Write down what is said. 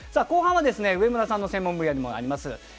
後半は上村さんの専門分野でもあります